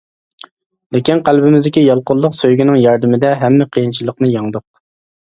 لېكىن قەلبىمىزدىكى يالقۇنلۇق سۆيگۈنىڭ ياردىمىدە ھەممە قىيىنچىلىقنى يەڭدۇق.